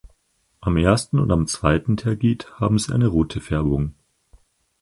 Am ersten und am zweiten Tergit haben sie eine rote Färbung.